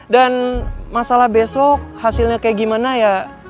dan masalah besok hasilnya kayak gimana ya